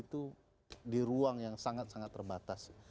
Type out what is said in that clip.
itu di ruang yang sangat sangat terbatas